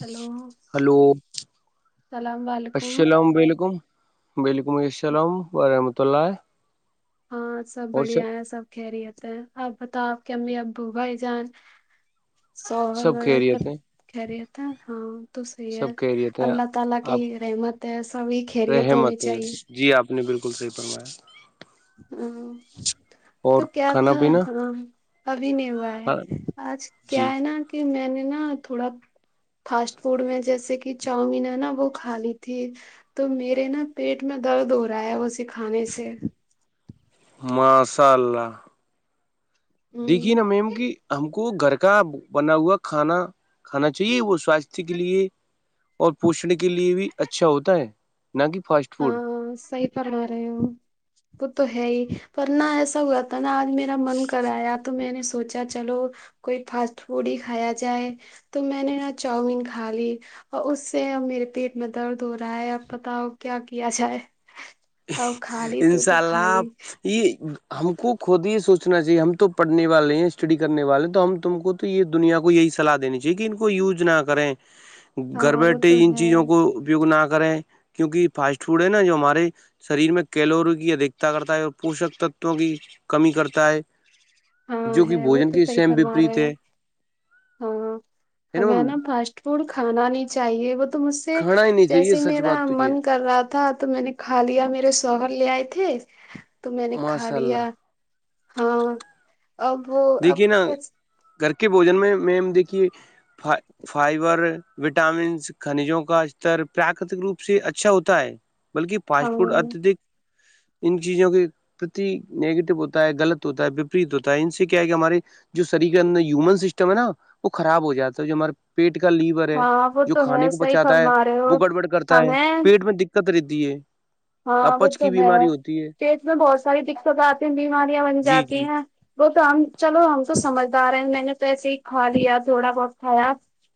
Hello hello علیکم السلام علیکم وعلیکم السلام وور رحمۃ اللہ ہاں سب بڑھیا ہے سب کہہ رہی ہوتے ہیں آپ بتاؤ آپ کے امی ابو بھائی جان سور وغیر سب خیریت ہیں خرییا تھا ہاں تو صحیح ہے سب خیریت ہیں اللہ تعالی آپ کی رحمت ہے سبھی خیریت ہونی رحمت ہیں۔ چاہیے جی آپ نے بالکل صحیح فوایا ہ اور تو کیا کھانا تھا پینا ابھی نہیں با آج جی کیا ہے نا کہ میں نے نا تھوڑا فاسٹ فوڈ میں جیسے کہ چاؤمین ہے نا وہ کھا لی تھی تو میرے نا پیٹ میں درد ہو رہا ہے وہ سکھانے سے ماشاء اللہ ہ دیکھیے نا میم کی ہم کو گھر کا بنا ہوا کھانا کھانا چاہیے وہ سواستھ کے لیے اور پوچنے کے لیے بھی اچھا ہوتا ہے نہ کہ فاسٹ فوڈ ہاں صحی پما رہے ہو وہ تو ہے ہی پر نہ ایسا ہوا نا آج میرا من کرایا تو میں نے سوچا چلو کوئی فاسٹ فوڈ ہی کھایا جائے تو میں نے نا چاؤمین کھا لی اور اس سے میرے پیٹ میں درد ہو رہا ہے اب پتا ہو کیا کیا جائے ا خالی تو تو انشاء اللہ خالی یہ ہم کو خود یہ سوچنا چاہیے ہم تو پڑھنے والے ہیں اسٹڈی کرنے والے ہیں تو ہم تم کو تو یہ دنیا کو یہی سلاح دینی چاہیے کہ ان کو یوز نہ کریں گھر ہاں وہ بیٹھے تو ان ہے چیزوں کو اپیوگ نہ کریں کیونکہ فاسٹ فوڈ ہے نا جو ہمارے شریر میں کیلوری کی ادھیکتا کرتا ہے اور پوشک تتووں کی کمی کرتا ہے ہاں جو کہ ہے وہ بوجن تو کے صحیح سیم فرما وپریت رہے ہے ہیں ہاں ہمیں نا پ پ کھانا نہیں چاہیے وہ تو مجھ سے کھانا ہی نہیں جیس چاہیے سچ میرا بات تو یہ من کر رہا تھا تو میں نے کھ لیا میرے شوہر لے آئے تھے تو میں نے کھا ماشاء اللہ لیا ہاں اب وہ اب دیکھیے نا کچھ گھر کے بوجن میں میم دیکھیے فائبر وٹامنس خنیجوں کا استر پراکرتک روپ سے اچھا ہوتا ہے بلکہ ہم پاسپورٹ اتدھک ان چیزوں کے پرتی نیگیٹو ہوتا ہے غلط ہوتا ہے وپریت ہوتا ہے ان سے کیا کہ ہمارے جو شریر کے اندر یومن سسٹم ہے نا وہ خراب ہو جاتا ہے جو ہمارے پیٹ کا لیور ہے ہاں وہ جو تو کھانے ہے کو صحیح بچاتا ہے فرما رہے ہو وہ گڑبڑ کرتا ہے ہمیں پیٹ میں د قتریتی ہے ہاں وہ تو ہے بیماری ہوتی ہے پیٹ میں بہت ساری دقت آتی ہیں بیماریاں بن جی جاتی جی ہیں وہ تو ہم چلو ہم تو سمجھدار ہیں میں نے تو ایسے ہی کھا لیا تھوڑا بہت کھایا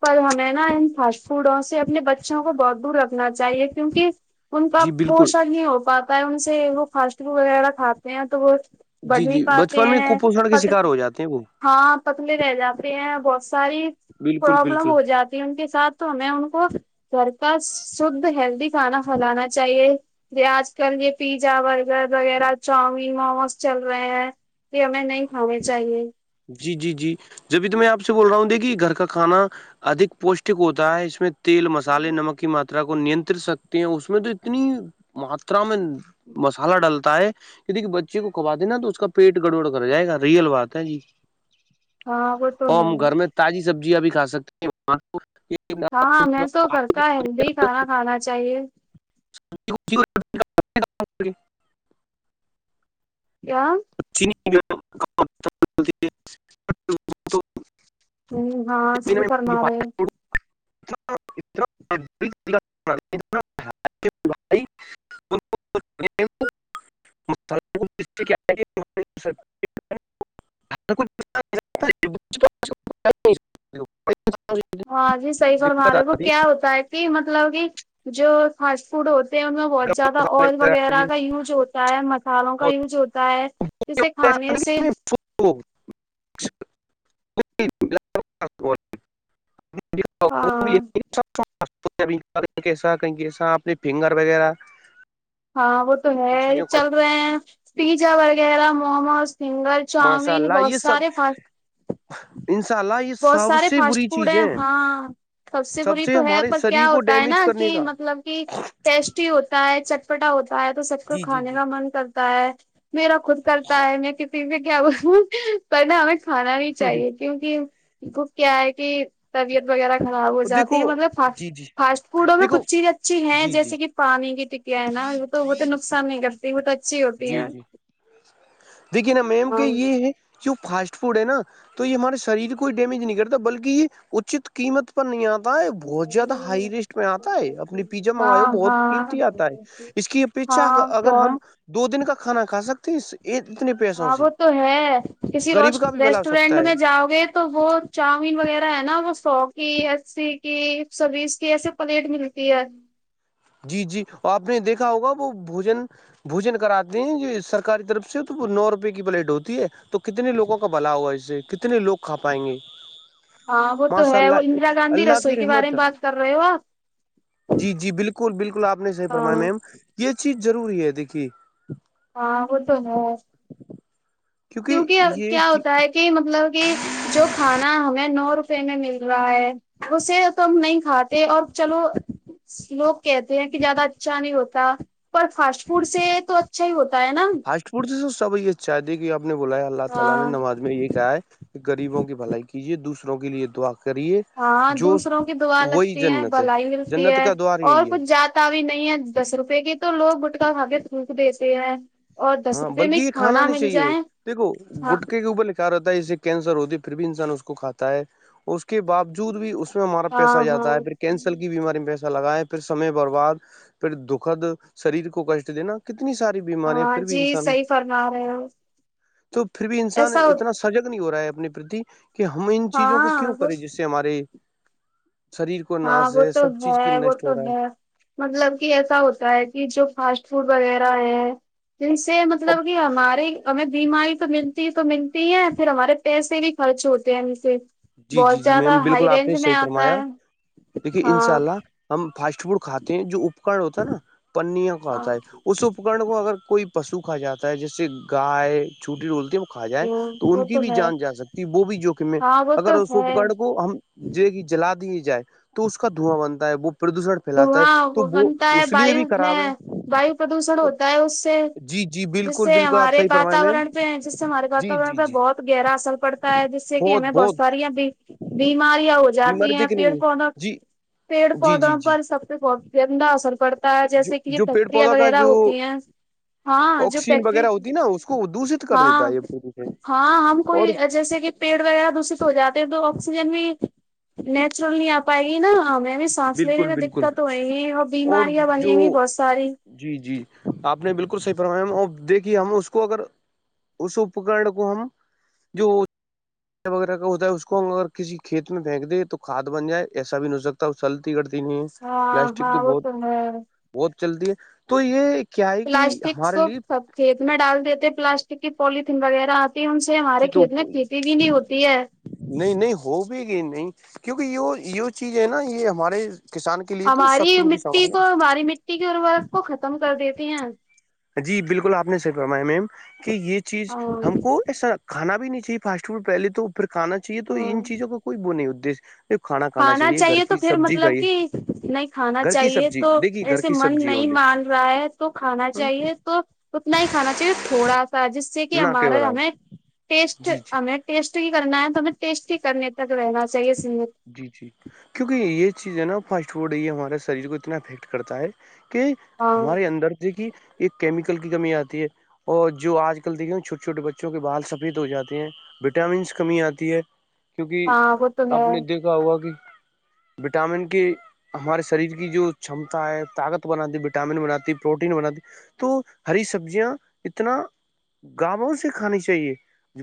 پر ہمیں نا ان فاسٹ فوڈوں سے اپنے بچوں کو بہت دور رکھنا چاہیے کیونکہ ان کا جی بالکل پوشن نہیں ہو پاتا ہے ان سے وہ فاسٹ فوڈ وغیرہ کھاتے ہیں تو وہ بڑھ جی نہیں جی پاتے بچپن میں ہیں کپوشن کے پ شکار ہو جاتے ہیں وہ ہاں پتلے رہ جاتے ہیں بہت ساری بالکل پرابلم بالکل ہو جاتی ہے ان کے ساتھ تو میں ان کو گھر کا شھ ہیلدی کھانا پلانا چاہ چاہیے یہ آج کل یہ پیزا برگر وغیرہ چاؤمین موموز چل رہے ہیں کہ ہمیں نہیں کھانانی چاہیے جی جی جی جبھی تو میں آ سے بول رہا ہوں د کہ گھر کا کھانا ادک پوشٹک ہوتا ہے اس میں تیل مسالے نمک کی ماتا کو نینتر سکتی ہیں اس میں تو اتنی ماترا میں مسالہ ڈلتا ہے د کہ بچے کو کوا دینا تو اس کا پیٹ گڑبڑ کر جائے گا ریئل بات ہے جی ہاں وہ تو اور ہے ہم گھر میں تازی سبزیاں بھی کھا سکتے ہیں تو ہاں میں تو کرتا ہیلدی کھانا کھانا چاہیے [inaudible] چین [unintelligible] تو [unintelligible] ہ ہاں سہی فرما رہہے [unintelligible] [unintelligible] کیا [unintelligible] [unintelligible] ہاں جی صحیح فرما رہے ہو وہ کیا ہوتا ہے مطلب کہ جو فاسٹ فوڈ ہوتے ہیں ان میں بہت زیادہ آئل وغیرہ کا یوز ہو ہوتا ہے مسالوں کا یوز ہوتا ہے جسے کھانے سے [unintelligible] ہاں [unintelligible] [unintelligible] ہاوہ تو ہے چیزوں کا چل رہے ہیں پیجاا وغیرہ مومو ج سنگل ماشاء چاؤمین اللہ بہت یہ سب سارے پا انشاء اللہ یہ بہت سب سارے سے فاسٹ بری فوڈ چیزیں ہیں ہاں سب سے بری تو ہے ہمارے پر شریر کیا کو ہوتا ہے ڈیمیج نا کرنے جی کا مطلب کی ٹیسٹ چٹی ہوتا ہے چٹپٹا ہوتا ہے تو سب کو جی جی کھانے جی کا من کرتا ہے تا میرا خود کرتا ہے میں کسی سے کیا بولوں پہل ہمیں کھانا بھی چاہیے کیونکہ کیا ہےکہ طبیعت وغیرہ خراب ہو جاتی دیکھو ہے مطلب فاسٹ جی جی فاسٹ فوڈ میں دیکھو کچھ اچھی ہیں جی جی جیسے کہ پانی کی ٹک تو نقصان نہیں کرتی وہ تو اچھی ہوتی جی ہے جی دیکھی ا میم کے یہ ہے جو فاسٹ فوڈ ہے نا تو یہ ہمارے شریر کوئی ڈیمیج نہیں کرتا بلکہ یہ اچت قیمت پر نہیں آتا ہے بہت زیادہ ہائی رسٹ میں آتا ہے اپنی پیزا منگاائی ہو ہاں بہت ہاں قیمتی آتا ہے ہاں اس کی اپیچھا ہاں اگر ہم بہت دو دن کا کھانا کھا سکتے ہیں اس یہ اتنی ہاں وہ تو ہے کسی بھی بھلا ہو سکتا ریسٹورینٹ ہے میں جاؤ گے تو وہ چاؤمین وغیرہ ہے نا وہ سو کی اسی پلیٹ ملتی ہے جی جی آپ نے دیکھا ہوگا وہ بوجن بوجن کراتے ہیں یہ سرکاری کتنے لوگ کھا پائیں گے ہاں وہ تو ماشاء ہے وہ اللہ اندرا گاندھی اللہ رسوئی کی کے بارے رحمت میں بات کر رہے ہو آپ بالکل بالکل آپ نے صحیح ہاں فرمایا میم ہاں وہ تو ہے [inaudible] کیونکی یہ کیا ہوتا کہ مطلب کہ جو کھانا ہمیں نو روپے میں ملتا ہیی اسے تم نہی کھاتے اب چلو لوگ کہتے ہیں کہ زیادہ اچھا نہیں ہوتا پر فاسٹ فوڈ سے تو اچھا ہی ہوتا ہے نا فاس فوڈ سے تو سب یہ چاہ دے کہ آپ نے بولا اللہ تعالی نے ہاں نماز میں یہ کہا ہے غریبوں کی بھلائی کیجیے دوسروں کے لیے دعا کریے ہاں جو دوسروں دعا وہی لگتی جنت جنت ہے کا دوار یہی ہے تا بھی نہیں اور دس ہاں روپے میں بلکہ کھانا مل جائے ہاں ہوتا ہے اس کینسر ہوتی پھر بھی انسان اس کو کاتا ہے اس کے باوجود بھی اس میں ہمارا ہاں پیسہ ہاں جاتا ہے پھر کینسل کر بیماری میں ایسا لگیں کتنی ساری بیماریاں ہاں پھر بھی جی انسان صحی فرما رہے ہو تو پھر بھی انسان ایسا ہو- اتنا سجگ نہیں ہو رہا ہے اپنے پرتی کہ ہم ان چیزوں کو ہاں کیوں وہ کریں جس سے ہمارے شریر کو ہاں ناش وہ تو سب چیز ہے کی وہ نشٹ تو ہو رہا ہے مطلب کہ ایسا ہوتا ہے کہ [unintelligible] یہ اور تو ملتے ہیں پھر ہمارے پیسے بھی خرچ ہوتے ہیں ان سے جی جی بہت جی میم زیادہ ہائی بالکل آپ رینج نے میں صحیح آتا فرمایا ہے دیکھیے ان شاء ہاں اللہ ہم فاسٹ فوڈ کھاتے ہیں جو اپکرن ہوتا ہے نا پر نیم ہاں ہوتا ہے اس اپکرن کو اگر کوئی پشو کھا جاتا ہے جیسے گائے چھوٹی بولتی ہے کھا جائے تو وہ ان کی بھی ہے جان جا سکتی وہ بھی جوکھم ہے ہاں وہ اگر تو اس ہے اوپکرن کو ہم جلا دیے جائے تو اس کا دھواں بنتا ہے وہ پردوشن پھیلاتا ہے دھواں وہ تو بنتا ہے اس لیے وایو بھی خراب میں ہے وایو پردوشن ہوتا ہے اس سے جی جی جس بالکل سے بالکل آپ ہمارے صحیح فرمائیں میم واتاورن پہ جس سے ہمارے جی واتاورن جی پہ جی بہت گہرا اثر پڑتا ہوتا ہے جس سے کہ ہمیں بہت ساریا ں بھی بیماریاں ہو جاتی بیماری ہیں دیکھنے پیڑ کی پودا جی پیڑ جی جی پودا جی سب سے بہت زندہ اثر پڑتا ہے جو جیسے کہ یہ جو پیڑ فیکٹریاں پودا کا وغیرہ جو ہوتی ہیں ہاں جو آکسیجن پیک وغیرہ ہوتی نا اس کو دشت کر دیتا ہاں ہے یہ پردوشن ہاں ہم کوئی اور جیسے کہ پیڑ وغیرہ دشت ہو جاتے ہیں تو آکسیجن بھی نیچرل نہیں آ پائے گی نا ہمیں بھی سانس لینے بالکل میں دق بالکل کت ہو ےگی اور بیماریاں بنی گی بہت ساری جی جی آپ نے بالکل صحیح فرمایا ہم اپ دیکھیے ہم اس کو اگر اس اپکرن کو ہم جو وغیرہ کا ہوتا ہے اس کو ہم اگر کسی کھیت میں پھینک دیں تو کھاد بن جائے ایسا بھی نہیں ہو سکتا چلتی کرتی نہیں ہے ہاں پلاسٹک تو ہاں وہ بہت ہے بہت چلتی ہے تو یہ کیا ہے کہ پلاسٹک ہمارے سو لیے سب کھیت میں ڈال دیتے پلاسٹک کی پوالتھین وغیرہ ک ہم سے ہمارے جی تو کھیت میں کھیتی بھی نہیں ہوتی ہے نہیں نہیں ہو بھی گی نہیں کیونکہ یہ یہ چیز ہے نا یہ ہمارے کسان کے لیے تو ہماری شترو کی مٹی سامان ہے کو ہماری مٹی کی ضرورت کو ختم کر دیتے ہیں جی بالکل آپ نے صحیح فمایا میم کہ یہ چیز اور ہم کو ایسا کھا نابھی نہیں چاہیے فاسٹ فوڈ پہلے تو پھر کھاناچاہہے تو ان چیزوں کا کوئی وہ نہیں ہوتے ادییہ کھانا چاہیے تو پھر مطلب کہ نہیں کھانا گھر کی چاہیے سبزی تو دیکھیے گھر ایسے کی من سبزی نہیں اونلی مان رہا ہے تو کھانا چاہیے تو اتنا ہی کھانا چاہیے تھوڑا سا جس جیس سے کہ نہ کے ہمارا ہمیں برابر ٹیسٹ جی جی ہمیں ٹیسٹ ہی کرنا ہے تو ہمیں ٹیسٹ ہی کرنے تک رہنا چاہیے سیمت جی جی کیونکہ یہ چیز ہے نا فاسٹ فوڈ ہے یہ ہمارے شریر کو اتنا افیکٹ کرتا ہے کہ ہاں ہمارے اندر سے کہ ایک کیمیکل کی کمی آتی ہے اور جو آج کل دیکھیے چھوے چھوٹے بچوں کے بال سفید ہو جاتے ہیں وٹامنس کمی آتی ہے ہاں وہ تو ہے کہ ہوا کہ وٹامن کی ہمارے شریر کی جو چھمتا ہے طاقت بناتی وٹامن بناتی پروٹین بناتی تو ہری سبزیاں اتنا گاوں سے کھانی چاہیے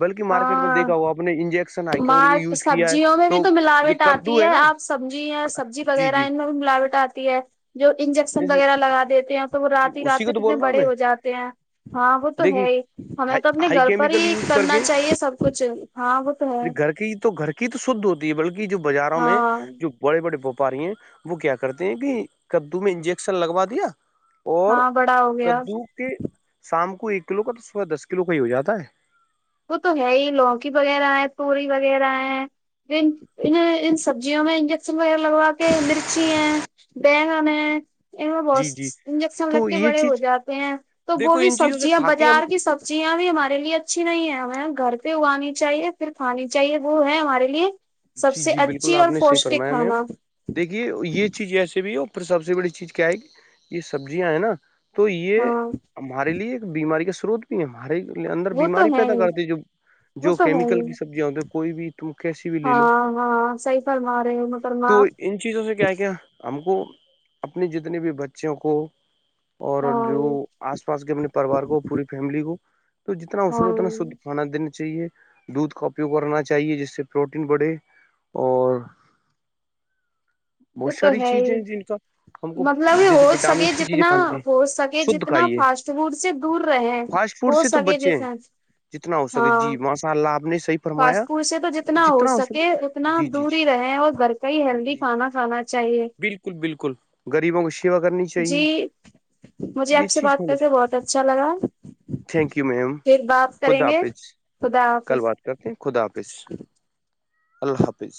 بلکہ مارکیٹ میں ہاں دیکھا ہو آپ نے انجیکشن ائ ٹماٹ یوز کیا سبزیوں ہے میں بھی تو جو ملاوٹ آتی کدو ہے نا آپ سبزی سبزی جی وغیرہ جی ان ملاوٹ آتی ہے جو انجیکشن جیسے وغیرہ لگا دیتے ہیں تو وہ رات ہی رات اسی کو سے تو کتنے بول رہا ہوں بڑے میں ہو جاتے ہیں ہاں وہ تو دیکھیے ہے ہی ہمیں تو اپنے ہائی گھر پر کیمیکل ہی یوز کر کرنا کے چاہیے سب کچھ ہاں وہ تو ہے گھی تو گھر کی تو شدھ ہوتی ہے بلکہ جو بازاروں میں ہاں جو بڑے بڑے ویپاریاں وہ کیا کرتے ہیں کہ کدو میں انجیکشن لگوا دیا اور ہاں بڑا ہو گیا کدو کے شام کو ایک کلو کا تو صبح دس کلو کا ہی ہو جاتا ہے وہ تو ہے ہی لونکی وغیرہ ہے توری وغیرہ ہے ان سبزیوں میں انجیکشن وغیرہ لگوا کے مرچی ہیں بیگن ہے ان میں بہت جی جی انجیکشن لگ تو کے یہ بڑے ہو چیز جاتے ہیں تو وہ دیکھو بھی ان چیزوں سے سبزیاں کھا کے ہم بازار کی سب جی ہاں بھی ہمارے اچھے ا نہیں ہے ہمیں گھر پہ اگانی چاہیے پھر کھانی چاہیے وہ ہے ہمارے لیے سب جی سے جی بالکل اچھی آپ اور نے صحیح پوشٹک فرمایا میم کھانا دیکھیے یہ چیز اییسے بھی ہے پھر سب سے بڑی چیز کیا ہے کہ یہ سبزیاں ہے نا تو یہ ہاں ہمارے لیے ایک بیماری کا سروت ہمارے اندر وہ تو بیماری ہے پیدا ہی کرتی ہے وہ جو تو ہے کیمکل ہی کی سبزیاں ہوتی کوئی بھی تم کیس ہاں ہاں صحی فر ما رہے ہو مطل تو معپ ان چیزوں سے کیا ہے کیا ہم کو اپنی جتنے بھی بچوں کو اور ہاں جو آس پاس کے اپنے پریوار کو پوری فیملی کو تو جتنا اس کو ہاں اتنا شھ کھانا دینا چاہیے دودھ کا اپیوگ کرنا چاہیے جس سے پروٹین بڑھے اور تو بہت تو ساری ہے ہی چیزیں جن کا ہم کو مطلب جیسے ہو سکے وٹامنس کی چیزیں جتنا کھانی چاہیے ہو سکے شدھ جتنا کھائیے فاسٹ دور سے دور رہے فاسٹ فوڈ ہو سے تو سکے بچے ہیں جیسج جتنا ہو سکے جی ماشاء اللہ آپ نے صحی فرمایا فاسٹ سے جتنا ہو سکے اتنا دور ہی رہے اور گھر کا ہی ہیلدی جی جی کھانا کھانا چاہیے بالکل بالکل غریبوں کو سیوا کرنی جی چاہیے مجھے یہ آپ سے چیز بات ہونا کر کے چاہیے بہت اچھا لگا تھینک یو میم پھر بپ کریں خدا گے حافظ خدا کل حافظ بات کرتے ہیں خدا حافظ اللہ حافظ